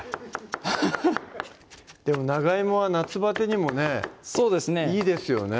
アハハッでも長いもは夏バテにもねいいですよね